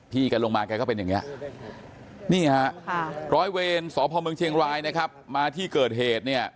พี่กันลงมาก็เป็นอย่างนี้ร้อยเวรสเมืองเชียงรายมาที่เกิดเหตุ